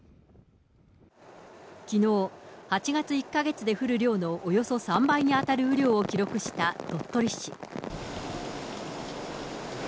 きのう、８月１か月で降る量のおよそ３倍に当たる雨量を記録した鳥取市。